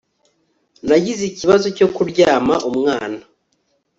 Nagize ikibazo cyo kuryama umwana